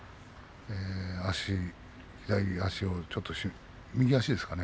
左足をちょっと右足ですかね。